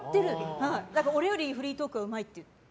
俺よりフリートークがうまいって。